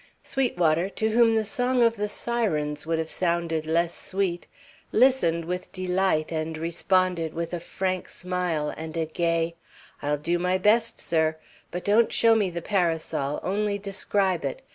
Sweetwater, to whom the song of the sirens would have sounded less sweet, listened with delight and responded with a frank smile and a gay: "I'll do my best, sir, but don't show me the parasol, only describe it.